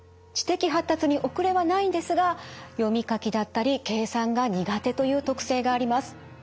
知的発達に遅れはないんですが読み書きだったり計算が苦手という特性があります。